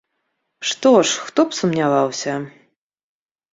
Што ж, хто б сумняваўся.